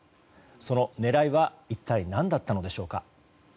その狙いは一体何だったのでしょうか。